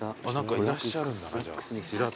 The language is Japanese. いらっしゃるんだなじゃあ。